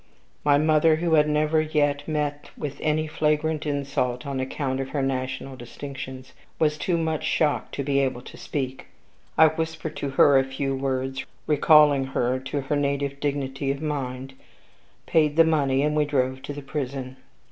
My mother, who had never yet met with any flagrant insult on account of her national distinctions, was too much shocked to be capable of speaking. I whispered to her a few words, recalling her to her native dignity of mind, paid the money, and we drove to the prison.